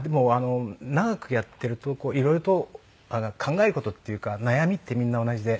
長くやってるといろいろと考える事っていうか悩みってみんな同じで。